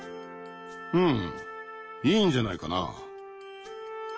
うんいいんじゃないかな。